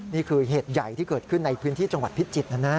นี่คือเหตุใหญ่ที่เกิดขึ้นในพื้นที่จังหวัดพิจิตรนะนะ